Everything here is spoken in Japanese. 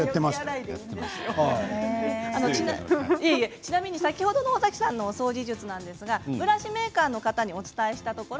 ちなみに先ほどの尾崎さんのお掃除術ですがブラシメーカーの方にお伝えしたところ